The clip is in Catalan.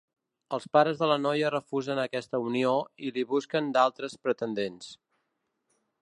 Els pares de la noia refusen aquesta unió i li busquen d'altres pretendents.